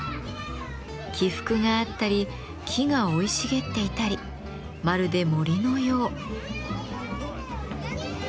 起伏があったり木が生い茂っていたりまるで森のよう。